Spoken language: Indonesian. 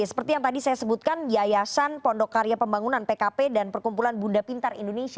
seperti yang tadi saya sebutkan yayasan pondok karya pembangunan pkp dan perkumpulan bunda pintar indonesia